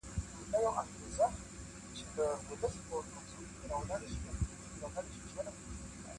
• خدای دي په حیا کي را زړه که پر ما ګراني ,